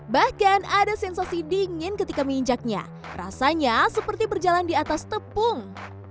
bahkan ada sensasi dingin ketika menginjaknya rasanya seperti berjalan di atas tepung